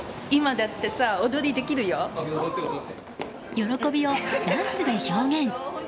喜びをダンスで表現。